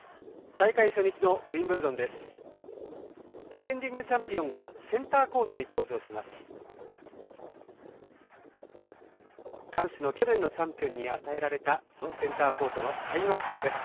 大会初日のウィンブルドンです。